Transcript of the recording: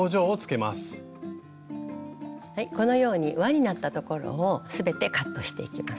このように輪になったところを全てカットしていきます。